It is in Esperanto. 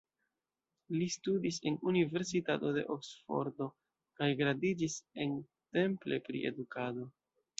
Li studis en Universitato de Oksfordo kaj gradiĝis en Temple pri edukado.